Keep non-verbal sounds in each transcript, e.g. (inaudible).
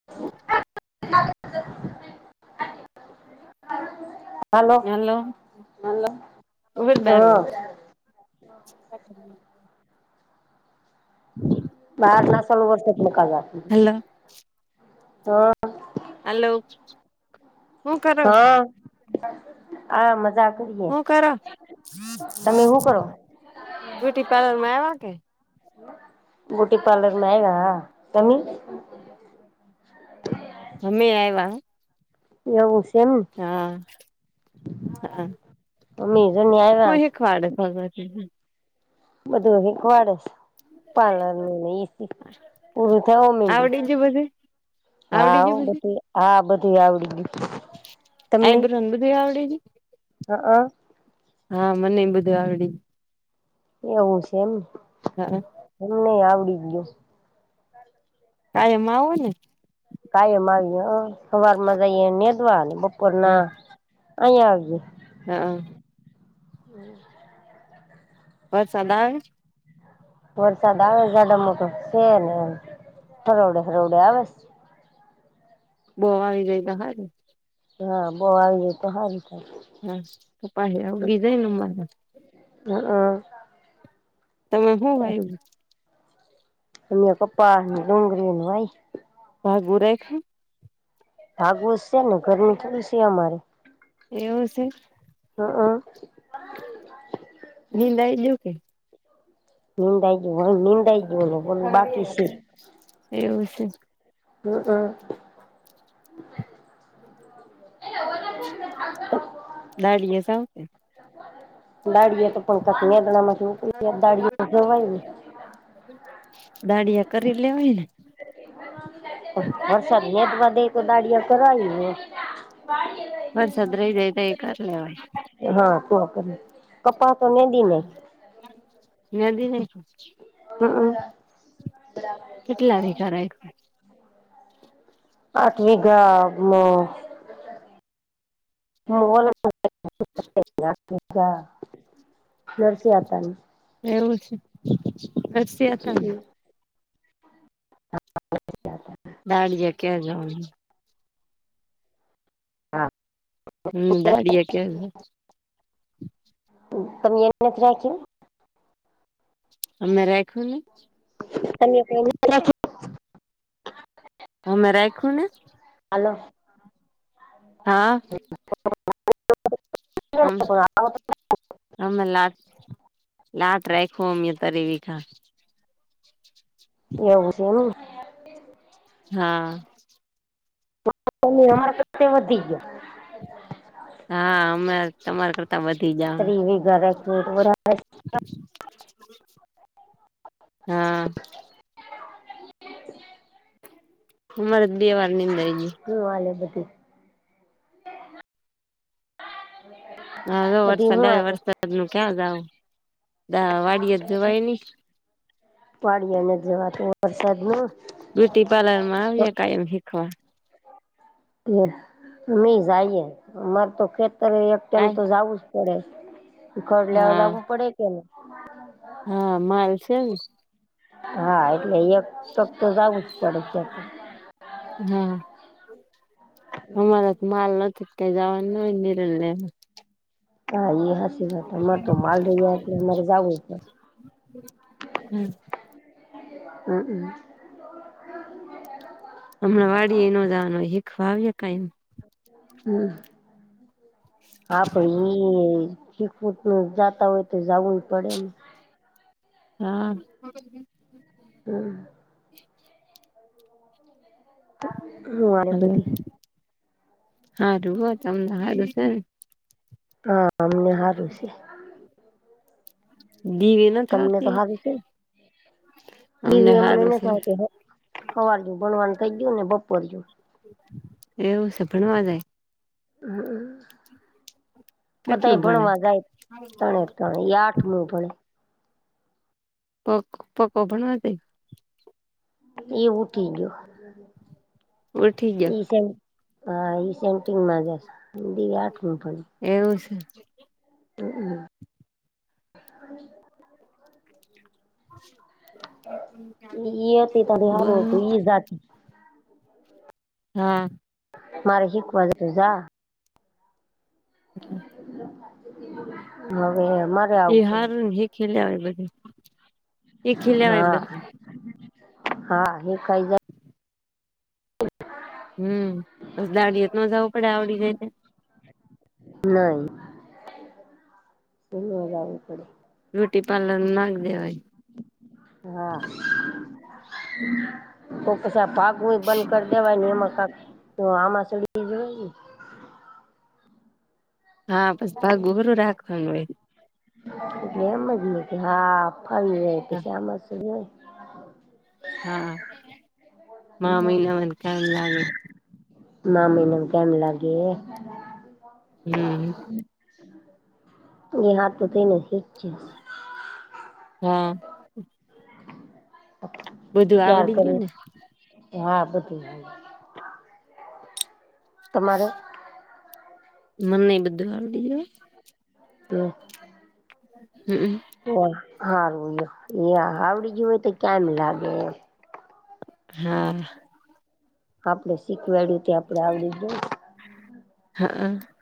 (inaudible) (inaudible) હાલો hello ઉભીરે બે હા મિનિટ (inaudible) હલો (unintelligible) હાલો હા આ મજાક હું કરો હું કરો બ્યુટી પાર્લરમા આયવા કે બ્યુટી પાર્લરમા તમે અમે આવ્યા એવું છે, એમને હા હુ બધુ થવા દે તાલ એન દે એ સી એ થવા માંડ્યું. આવડી ગયું બધું આવડી હા ગયું બધું બધે હા બધે આવડી ગ્યું. (unintelligible) હા હ હા મને એ બધુ એવું છે એમ હા એમ ને આવડી ગીયુ કાયમ આવો ને કાયમ આવીએ સવાર માં જઈએ નેધવા અને બપોરના હા અઈ આવજે હા (inaudible) વરસાદ આવે વરસાદ આવે જાડો મોટું છેને, એમ હરોવડે હરોવડે આવે બો આવી જાય હારુ હા બો આવી જાય તો સારું થાય હા પપા (unintelligible) (inaudible) તમે હું વાયવુ (unintelligible) (unintelligible) (unintelligible) થોડી છે અમારે એવું છે (inaudible) નિંદ (unintelligible) બાકી શે એવું છે (inaudible) (inaudible) દાડીએ સા (unintelligible) દાળિયે કરી લેવાય ને (inaudible) વરસાદ રહી જાય તો એ કરી લેવાય હા તો કરી કપાહ તો મેન નદી (unintelligible) હમ હમ કેટલા વિઘા રાયખુ આઠ વીઘા મોલ હ નરસીહ હતાની એવું છે રસિયા છેને (inaudible) દાળિયા ક્યાં જવા હા. હમ દાડીિયા કે મ એને એત્રખ અમે રાખુંલ ત રાખો હમે રાખુંને હાલો હા હ તો અ લાત લાત રાખું અમ તરેવી ખા એવું છે એમ હા અમારા સાથે વધી ગયા હા અમે તમારા કરતા વધી જા (inaudible) હા હ મરદ બે વાર નિંદ જ હ વાલી બધી હા બધી વરસાદ હું આવે હાલે વરસાદ નું ક્યાં જ આવ વાડય જ જવાય નહી વાડિયાને જવાથી વરસાદ ન બ્યુટી પાર્લર માં કાયમ શીખવા એમે જઈએ અમારે તો ખેતરે એક ટાઈમ કાય તો જવું જ પડે કડ લયા હા જાગું પડે કે નહી. હા માલ છે ને હા એટલે એક ફક તો જવું જ પડે છે હા. હમારા તો માલ નથી જવા ના હોય તો રહે હા એ હસી વાત અમારે તો માલ રહી એટલે અમારે જાવું હમ્મ. હમ્મ હમ્મ. હમણાં વાડી એ નો જવાનું હોય હીખવા આવ્યા કઈ હમ્મ હા (unintelligible) (unintelligible) જાતા હોય તો જાવું એ પડે ને હા. (inaudible) હમ્મ. હમ્મ. હલો હારુ હો તમને હારું છે ને હા અમને સારું છે. દીવે ના તમને તો થતી હારું છે ને? અમને સારું છે. સવારનુ બોલવાનું થઇ ગયું ને બપોર નું એવું છે ભણવા જાય હમ્મ બધાય કેટલું ભણે ભણવા જાય ત્રણે ત્રણ એ આઠમુ ભણે પકો પક્કો ભણવા જાય એવું થી ગયો ઉઠી ગયો ઈ હા ઈ સેન્ટિગ માં જાય પિન્કી આઠમુ ભણે એવું છે. હમ્મ હમ્મ. હમ્મ. (inaudible) એ હતી ત્યારે હારુ બોલ હતું ઈ જાતી હા. મારે શીખવા જાઉં છે જા હા. હવે એમાં એ હાર હે ખેલ્યા આવે બધી હા હા એ કઈ જાય હમ્મ બસ દાડિયા તો ના જવું પડે આવડી જાય છે. નહી. (unintelligible) જાવું પડે. બ્યુટી પાર્લર નું નાખ દેવાય (inaudible) હા કઉ સાપ હું એ બંધ કરી દેવાય ને એમાં કા તો આમાં (unintelligible) હા બસ ભાગ ગુગરુ રાખવાનું હોય એટલે એમ જ ના કે હા ફરી જ તો શ્યામ સુું જોય હા મામીના વનકાય ના લેવાય. મામી નુ કેમ લાગે. હમ એ હાથ પતિ નુ જ છે હા. બધું ત્યાર આવડી ગયું કર્યું ને હા બધું તમારે મને બધવા દીજ- તો- હમ હ હારુંયો આવડી જો હો તો કમ લાગે એમ- હા આપડે શીખવાડય્યું તે આપડે આવડી જ જોઈ- હા હ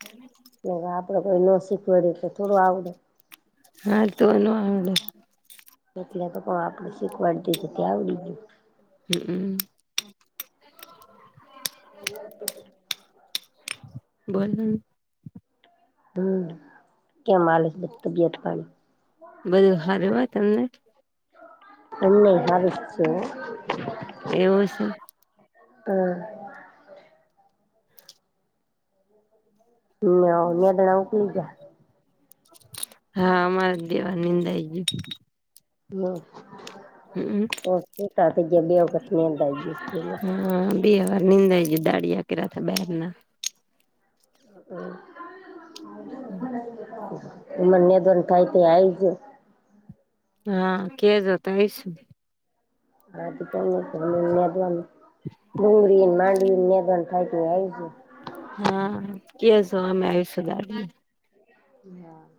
એ (unintelligible) ને આપણે કોઈ ન શીખવા રહીએ તો થોડું આવડે- હા તોનું આડે- એટલે તો પણ આપડે શીખવાડ દ તો ત્યાં આવડી ગય- હમમ- હ (unintelligible) બોલો- હમ કેમ માલે છે બ તું બેઠ પાણી- બધું સારું હોય તમને- એમણે હારુ છે. એવું છે. હમ હ મેદણાવું પીજ- હા અમારે દેવા નિંદ આ આવી ગયો- હમ હમ ઓ શતા થ ગ બે વખત અંદ- હા બે હર નિંદા છે દાડીયા કર થ બાર ના- મને દોન થઈ તે આ આવી જ- હા, કે જતા આઈશું. (unintelligible) ડુંગળીને માંડવીને (unintelligible) હા, (unintelligible) આવીશું દાર. હા. (unintelligible)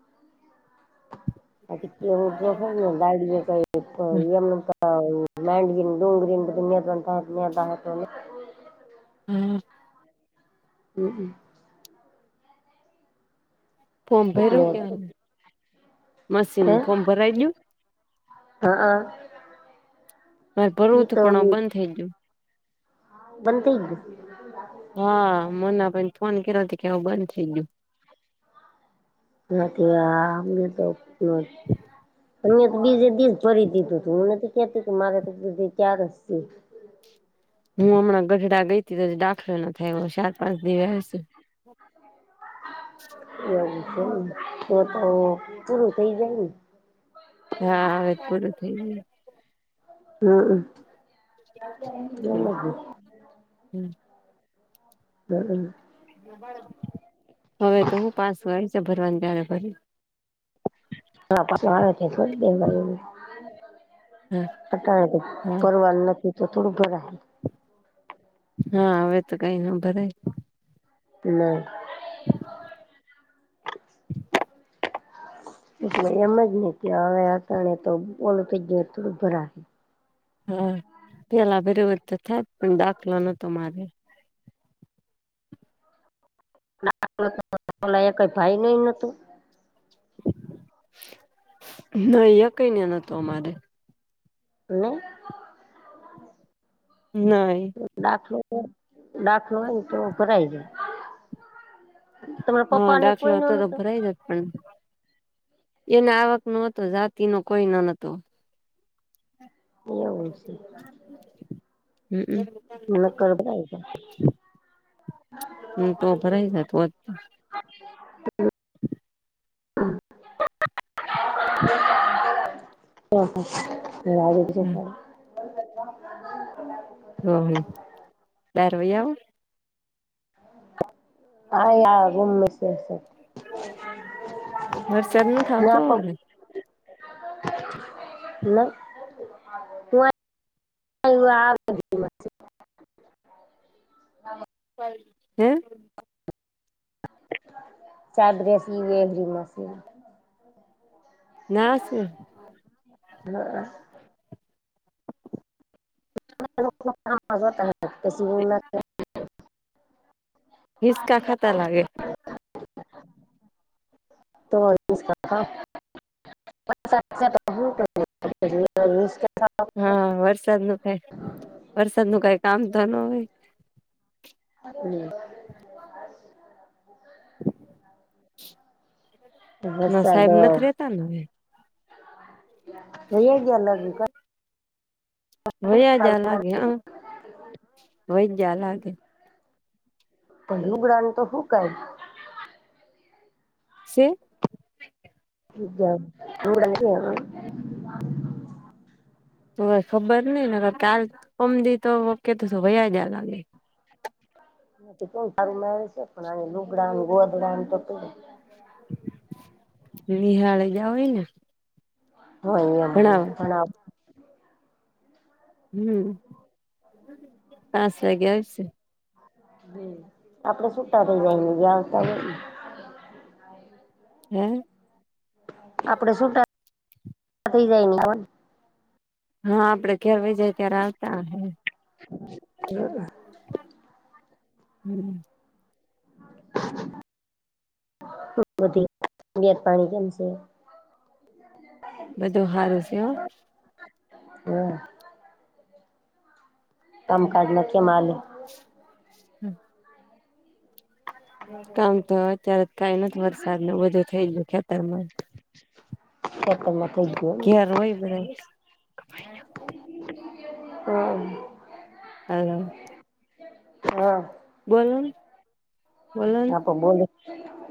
(unintelligible) (unintelligible) હમ. હમમ. ફોમ એટલે ભર્યું કે મશીન હે ફોમ ભરાઈ ગયુ? હા આ. માર ભરવું તુ પણ બંધ થઈ ગયું. બંધ થેય ગિયુ. હા, (unintelligible) ફોન કર્યો કે આવું બંધ થઈ ગયું. નથી આ અમને તો. (unintelligible) બીજે દીજ ભરી દીધું તું હું નથી કેતી કે મારે તો બધ ક્યારે. હું હમણાં ગઢડા ગઈ તો દાખલો ના થાય સાત પાંચ દિવસે. (unintelligible) હા, હવે જ પૂરું થઈ જાય. હમ (unintelligible) હમ. હમમ. હવે તો હું પાસું આવી છે ભરવાની ત્યારે ભરી. હા, (unintelligible) હા હટા તો હા પરવાનું નથી તો થોડું ભરાહે. હા, હવે તો કઈ ન ભરાય. ના. એટલે એમ જ ને કે હવે તો મોડુ થઈ ગયુ હતુ ભરા હા, પેલા (unintelligible) તો થાય પણ દાખલો નતો મારે. (unintelligible) ન અં કઈને નતતો અમારે. ને. નય. દાખલો દાખલો હોય તો ભરાય જાય. તમારા પપ્પા ને કોઈ ન નતું? હમ. એને આવક ન હતો જાતિનો કોઈ ન નતો. એવું છે. (unintelligible) નકર બરાય છે. હમ તો ભરાઈ જતો હોત (unintelligible) (inaudible) (unintelligible) (unintelligible) (unintelligible) હ હમ (unintelligible) હા, ગુમ (unintelligible) વરસાદ ન થ ના આવતો ને? ન (unintelligible) હે? ચાર ડ્રેસી એળ મશીન ના શ હા તાો તેસીના નિસકા ખાતા લાગે તો અલીસથ (inaudible) હા વરસાદ નું કઈ વરસાદ નું કઈ કામ તો ન હોય હમ ના વરસાદ સાહેબ નથી રેતા ને હવે એ ગલ હજી વય જ પણ લાગે હ હોય જ લાગે પું ગ્રાન તો હુંકઈ છે જ જડ તો ખબર નઈ ને કાલ પમી તોકે તો ભયા જયા લાગે ત સારું મે છે પણ આ લુગડા ગોધરા તો વિહાળે જાવય ને હ અહી ભણાવવા પણ હમ પાચ વાગે આવીશે હ આપડે સુટા થઇ જાયને વવ હમ આપડે સુું થઇ જાય હા આપડે ઘર વહી જાય ત્યારે આવતા હ હ હમ બધીત પાણી કેમ છે બધું સારું છે હા કામકાના હમ કામ તો અત્યારે કઈ નથી વરસાદ ન બધું થઈ ગયું ખેતર માં સત મ ક ર હોય બધ હ હા હા બો આપ બોલ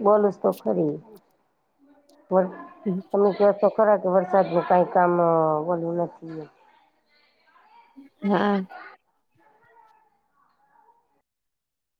બોલુંસ તો ખરી બ હમ તમે જો તો ખરા કે વરસાદ ન કઈ કામ ઓોલું નથી હા